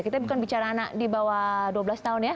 kita bukan bicara anak di bawah dua belas tahun ya